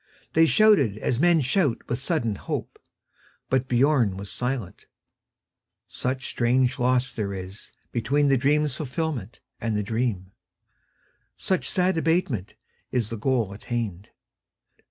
They shouted as men shout with sudden hope; But Biörn was silent, such strange loss there isBetween the dream's fulfilment and the dream, Such sad abatement in the goal attained.